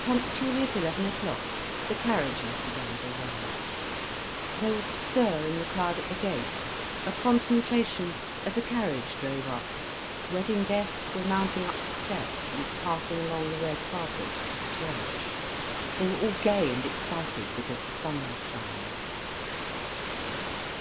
Punctually at eleven o'clock, the carriages began to arrive. There was a stir in the crowd at the gate, a concentration as a carriage drove up, wedding guests were mounting up the steps and passing along the red carpet to the church. They were all gay and excited because the sun was shining.